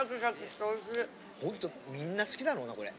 ほんとみんな好きだろうなこれ。